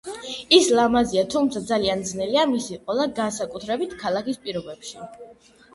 ის ლამაზია, თუმცა ძალიან ძნელია მისი ყოლა, განსაკუთრებით ქალაქის პირობებში.